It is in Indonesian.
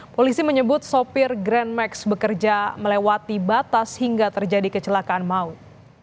polisi menyebut sopir grand max bekerja melewati batas hingga terjadi kecelakaan maut